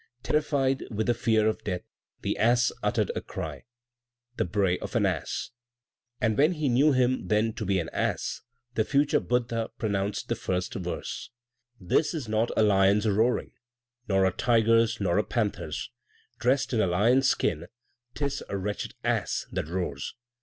Terrified with the fear of death, the ass uttered a cry the bray of an ass! And when he knew him then to be an ass, the future Buddha pronounced the First Verse: "This is not a lion's roaring, Nor a tiger's, nor a panther's; Dressed in a lion's skin, 'Tis a wretched ass that roars!"